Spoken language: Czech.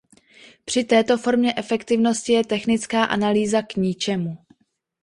Při této formě efektivnosti je technická analýza k ničemu.